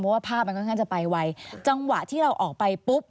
เพราะว่าภาพมันค่อนข้างจะไปไวจังหวะที่เราออกไปปุ๊บ